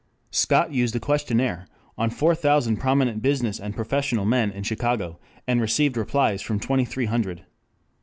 Scott used a questionnaire on four thousand prominent business and professional men in Chicago and received replies from twenty three hundred.